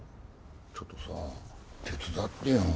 ちょっとさ手伝ってよ。